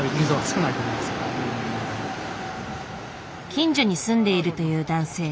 近所に住んでいるという男性。